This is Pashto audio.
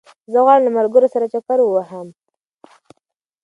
زه غواړم له ملګرو سره چکر ووهم